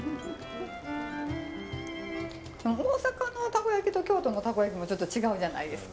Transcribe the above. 大阪のたこ焼きと京都のたこ焼きもちょっと違うじゃないですか。